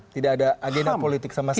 tidak ada agenda politik sama sekali